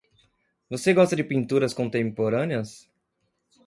Você gosta de pinturas contemporâneas?